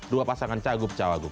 dua pasangan cagup cawagup